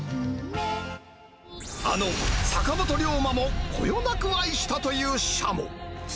あの坂本龍馬もこよなく愛したというシャモ。